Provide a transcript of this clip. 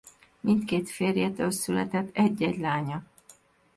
Mindkét férjétől született egy-egy lánya.